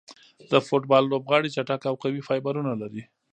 د فوټبال لوبغاړي چټک او قوي فایبرونه لري.